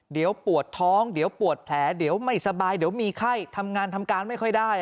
เดี๋ยวปวดท้องเดี๋ยวปวดแผลเดี๋ยวไม่สบายเดี๋ยวมีไข้ทำงานทำการไม่ค่อยได้